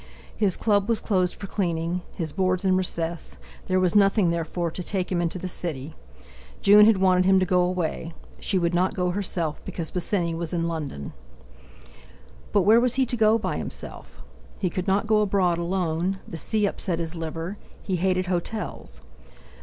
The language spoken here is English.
His Club was closed for cleaning; his Boards in recess; there was nothing, therefore, to take him into the City. June had wanted him to go away; she would not go herself, because Bosinney was in London. But where was he to go by himself? He could not go abroad alone; the sea upset his liver; he hated hotels.